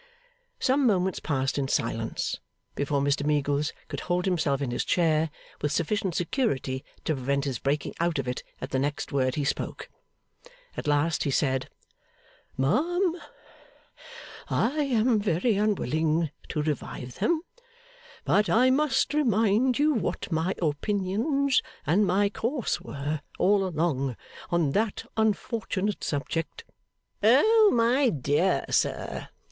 Some moments passed in silence, before Mr Meagles could hold himself in his chair with sufficient security to prevent his breaking out of it at the next word he spoke. At last he said: 'Ma'am, I am very unwilling to revive them, but I must remind you what my opinions and my course were, all along, on that unfortunate subject.' 'O, my dear sir!